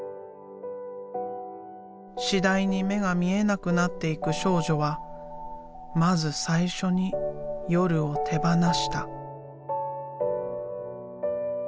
次第に目が見えなくなっていく少女はまず最初に「夜」を手ばなした。